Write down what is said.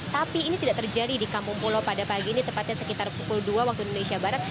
tapi ini tidak terjadi di kampung pulo pada pagi ini tepatnya sekitar pukul dua waktu indonesia barat